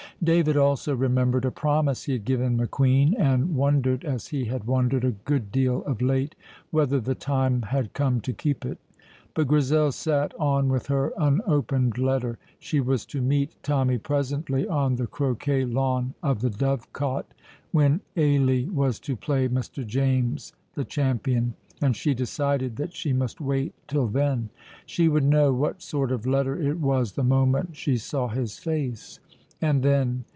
David also remembered a promise he had given McQueen, and wondered, as he had wondered a good deal of late, whether the time had come to keep it. But Grizel sat on with her unopened letter. She was to meet Tommy presently on the croquet lawn of the Dovecot, when Ailie was to play Mr. James (the champion), and she decided that she must wait till then. She would know what sort of letter it was the moment she saw his face. And then!